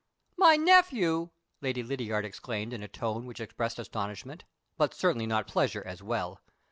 "MY nephew!" Lady Lydiard exclaimed in a tone which expressed astonishment, but certainly not pleasure as well.